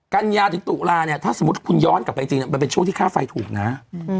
กัญญาถึงตุลาเนี่ยถ้าสมมุติคุณย้อนกลับไปจริงมันเป็นช่วงที่ค่าไฟถูกนะ